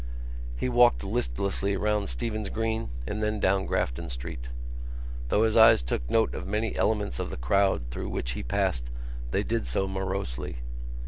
He walked listlessly round Stephen's Green and then down Grafton Street. Though his eyes took note of many elements of the crowd through which he passed they did so morosely.